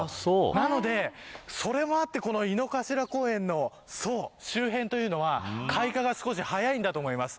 なので、それもあって井の頭公園の周辺というのは開花が少し早いんだと思います。